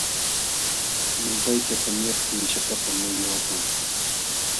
Llumpayta tamyaptin chakatam mayu apan.